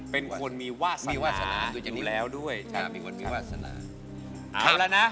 เป็นคนมีวาสนาอยู่แล้วด้วยใช่มีคนมีวาสนา